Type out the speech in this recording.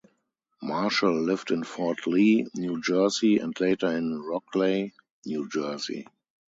Marshall lived in Fort Lee, New Jersey and later in Rockleigh, New Jersey.